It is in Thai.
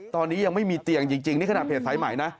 ตอนนี้ยังไม่มีเตียงจริงนี่ขนาดเพจสายใหม่นะ